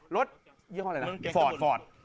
ยี่ห้ออะไรนะฟอร์ดฟอร์ด